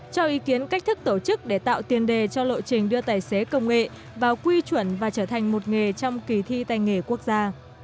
cho ý kiến cách thức tổ chức để tạo tiền đề cho lộ trình đưa tài xế công nghệ vào quy chuẩn và trở thành một nghề trong kỳ thi tay nghề quốc gia